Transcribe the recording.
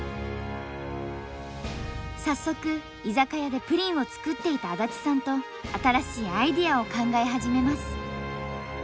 早速居酒屋でプリンを作っていた安達さんと新しいアイデアを考え始めます。